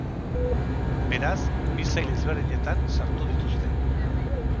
Beraz, bi sail ezberdinetan sartu dituzte.